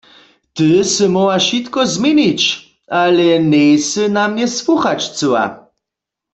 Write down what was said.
Ty sy móhła wšitko změnić, ale njejsy na mnje słuchać chcyła.